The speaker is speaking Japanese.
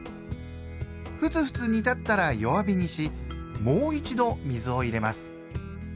フツフツ煮立ったら弱火にしもう一度水を入れます。